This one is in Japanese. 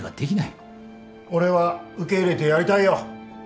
俺は受け入れてやりたいよ。